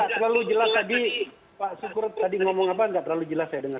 tapi tidak terlalu jelas tadi pak syukur tadi ngomong apa tidak terlalu jelas saya dengar